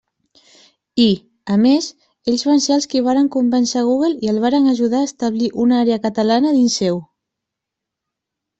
I, a més, ells van ser els qui varen convèncer Google i el varen ajudar a establir una àrea catalana dins seu.